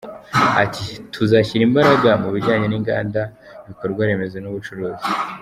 Ati “Tuzashyira imbaraga mu bijyanye n’inganda, ibikorwa remezo n’ubucuruzi.